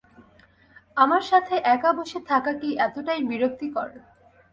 আমার সাথে একা বসে থাকা কি এতটাই বিরক্তিকর?